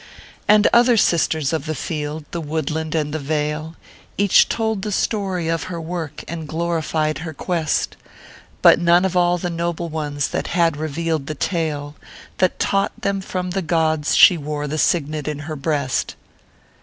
And other sisters of the field, the woodland, and the vale, Each told the story of her work, and glorified her quest ; But none of all the noble ones had yet revealed the talo That taught them from the gods she wore the signet in her breast.